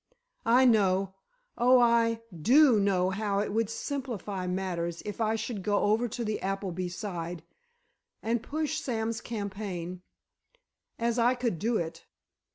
I know—oh, I do know how it would simplify matters if I should go over to the Appleby side—and push Sam's campaign—as I could do it.